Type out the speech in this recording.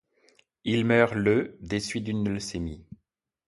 Il meurt le des suites d'une leucémie.